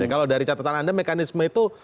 kalau dari catatan anda mekanisme itu